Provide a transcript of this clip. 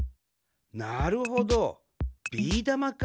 なるほどビーだまかあ。